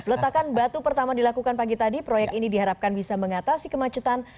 peletakan batu pertama dilakukan pagi tadi proyek ini diharapkan bisa mengatasi kemacetan